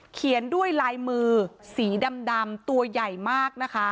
เขียนด้วยลายมือสีดำตัวใหญ่มากนะคะ